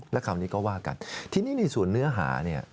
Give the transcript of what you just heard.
แล้วคราวนี้ก็ว่ากันทีนี้ในส่วนเนื้อหาเนี่ย